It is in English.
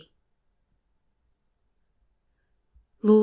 Lord!